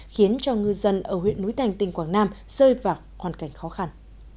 khiến cho ngư dân ở huyện núi thành tỉnh quảng nam rơi vào hoàn cảnh khó khăn